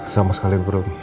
sama sekali bro